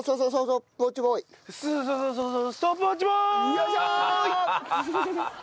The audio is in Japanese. よいしょー！